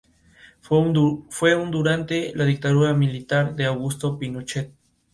Fue un durante la dictadura militar de Augusto Pinochet.